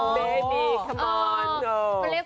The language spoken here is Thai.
เบบี้เค้ามาวน